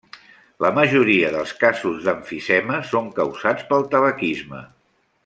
La majoria dels casos d'emfisema són causats pel tabaquisme.